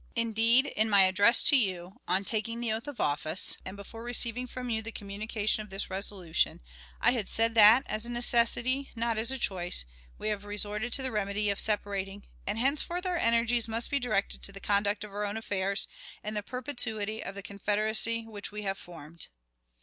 Indeed, in my address to you, on taking the oath of office, and before receiving from you the communication of this resolution, I had said that, as a necessity, not as a choice, we have resorted to the remedy of separating, and henceforth our energies must be directed to the conduct of our own affairs, and the perpetuity of the Confederacy which we have formed.